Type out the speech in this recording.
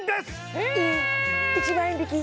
ええっ１万円引き？